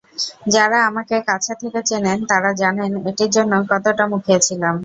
যাঁরা আমাকে কাছ থেকে চেনেন, তাঁরা জানেন এটির জন্য কতটা মুখিয়ে ছিলাম।